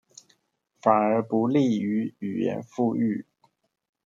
反而不利於語言復育